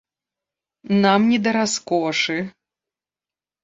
Нам не да раскошы.